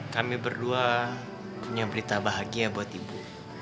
kami berdua punya berita bahagia buat ibu